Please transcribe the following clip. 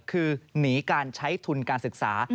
คือหนีการใช้ทุนการศึกษา